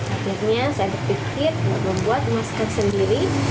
akhirnya saya berpikir membuat masker sendiri